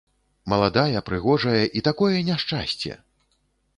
Маладая, прыгожая, і такое няшчасце!